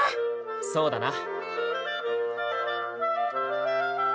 そうだな。